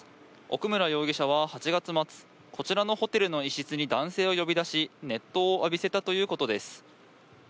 奥村容疑者は８月末、こちらのホテルの一室に男性を呼び出し熱投を浴びせたということです。